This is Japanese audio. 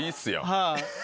はい。